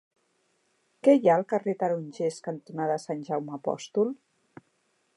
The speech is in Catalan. Què hi ha al carrer Tarongers cantonada Sant Jaume Apòstol?